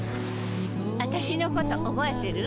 あたしのこと覚えてる？